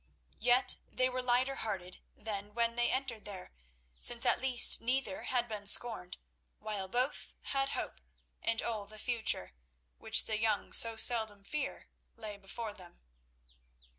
Yet they were lighter hearted than when they entered there, since at least neither had been scorned, while both had hope, and all the future, which the young so seldom fear, lay before them.